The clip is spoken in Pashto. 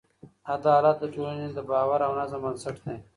عدالت د ټولنې د باور او نظم بنسټ دی.